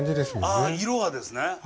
ああ、色はですね。